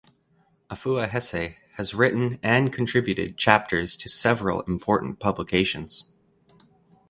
Afua Hesse has written and contributed chapters to several important publications.